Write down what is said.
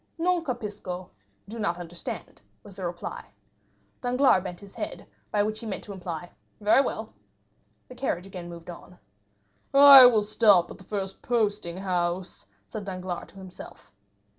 "Non capisco" (do not understand), was the reply. Danglars bent his head, which he meant to imply, "Very well." The carriage again moved on. "I will stop at the first posting house," said Danglars to himself.